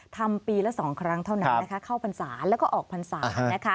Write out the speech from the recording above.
ทำปีละ๒ครั้งเท่านั้นนะคะเข้าพรรษาแล้วก็ออกพรรษานะคะ